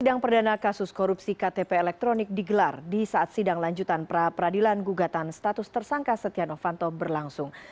sidang perdana kasus korupsi ktp elektronik digelar di saat sidang lanjutan pra peradilan gugatan status tersangka setia novanto berlangsung